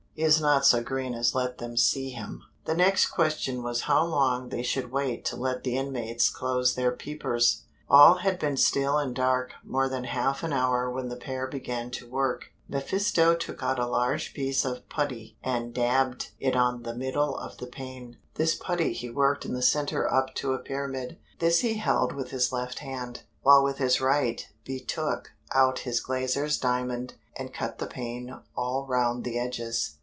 "He is not so green as let them see him." The next question was how long they should wait to let the inmates close their peepers. All had been still and dark more than half an hour when the pair began to work, mephisto took out a large piece of putty and dabbed it on the middle of the pane; this putty he worked in the center up to a pyramid; this he held with his left hand, while with his right be took out his glazier's diamond and cut the pane all round the edges.